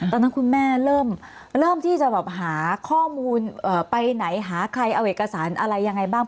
ตอนนั้นคุณแม่เริ่มที่จะแบบหาข้อมูลไปไหนหาใครเอาเอกสารอะไรยังไงบ้าง